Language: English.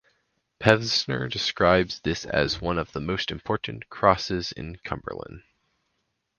Pevsner describes this as one of the most important crosses in Cumberland.